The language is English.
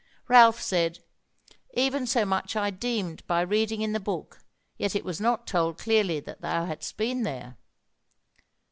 Ralph said, "Even so much I deemed by reading in the book; yet it was not told clearly that thou hadst been there."